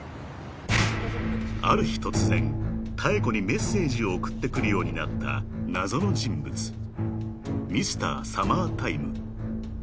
［ある日突然妙子にメッセージを送ってくるようになった謎の人物Ｍｒ．Ｓｕｍｍｅｒｔｉｍｅ］